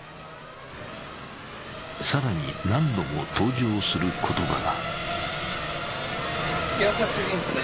更に何度も登場する言葉が。